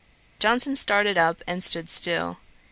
Johnson started up, and stood still.